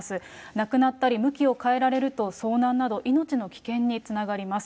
なくなったり、向きを変えられると、遭難など、命の危険につながります。